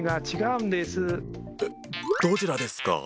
えっどちらですか？